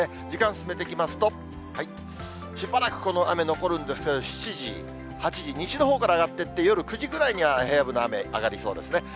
時間進めていきますと、しばらくこの雨残るんですけど、７時、８時、西のほうから上がってって、夜９時ぐらいには平野部の雨、上がりそうですね。